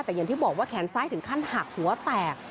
แต่อย่างที่บอกว่าแขนซ้ายถึงขั้นหักหัวแตก